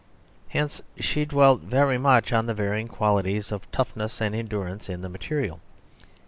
Hence she dwelt very much on the varying qualities of toughness and endurance in the material.